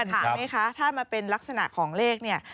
ใช่ไหมคะถ้ามาเป็นลักษณะของเลขเนี่ย